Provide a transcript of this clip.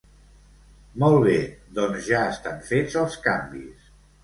Molt bé doncs ja estan fets els canvis.